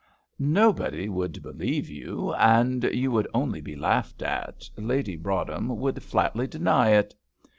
"Nobody would believe you, and you would only be laughed at. Lady Broadhem would flatly deny it.